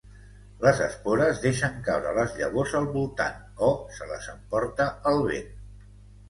Les espores deixen caure les llavors al voltant o se les emporta el vent.